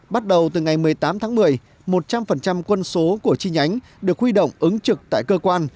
bắt đầu từ ngày một mươi tám tháng một mươi một trăm linh quân số của chi nhánh được huy động ứng trực tại cơ quan